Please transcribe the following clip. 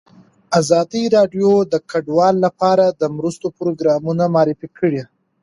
ازادي راډیو د کډوال لپاره د مرستو پروګرامونه معرفي کړي.